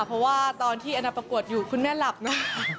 เพราะว่าตอนที่แอนนาประกวดอยู่คุณแม่หลับนะ